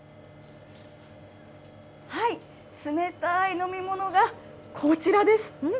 冷たい飲み物がこちらです。